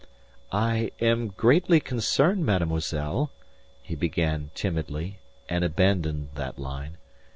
"I am greatly concerned, mademoiselle," he began timidly, and abandoned that line.